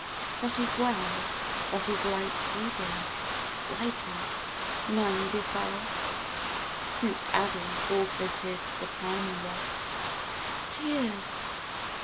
That is well — That is light grieving ! lighter, none befell, Since Adam forfeited the primal lot. Tears